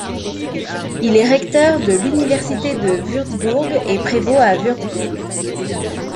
Il est recteur de l'université de Wurtzbourg et prévôt à Wurtzbourg.